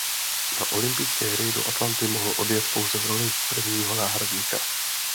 Na olympijské hry do Atlanty mohl odjet pouze v roli prvního náhradníka.